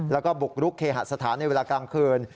แล้วก็บุกรุกเคหสถานในเวลากลางคืน